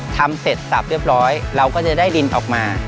ทำเสร็จสับเรียบร้อยเราก็จะได้ดินออกมา